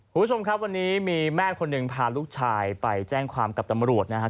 คุณผู้ชมครับวันนี้มีแม่คนหนึ่งพาลูกชายไปแจ้งความกับตำรวจนะครับ